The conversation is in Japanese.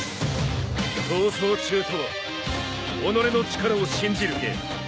逃走中とは己の力を信じるゲーム。